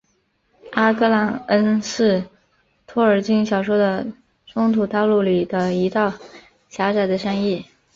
阿格朗恩是托尔金小说的中土大陆里的一道狭窄的山隘。